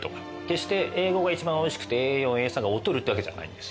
決してＡ５が一番おいしくてＡ４Ａ３が劣るってわけじゃないんです。